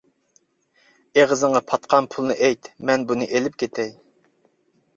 ئېغىزىڭغا پاتقان پۇلنى ئېيت، مەن بۇنى ئېلىپ كېتەي.